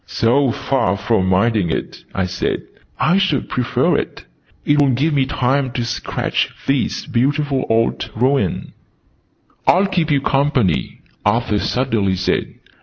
"So far from minding it," I said, "I should prefer it. It will give me time to sketch this beautiful old ruin." "I'll keep you company," Arthur suddenly said.